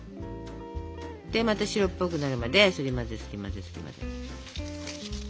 でまた白っぽくなるまですり混ぜすり混ぜすり混ぜ。